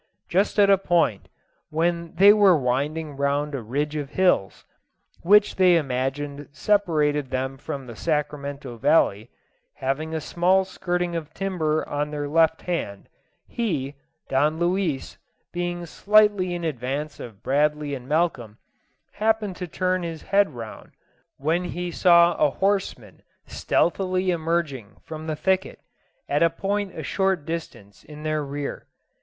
Just at a point, when they were winding round a ridge of hills, which they imagined separated them from the Sacramento Valley, having a small skirting of timber on their left hand, he, Don Luis, being slightly in advance of Bradley and Malcolm, happened to turn his head round, when he saw a horseman stealthily emerging from the thicket, at a point a short distance in their rear.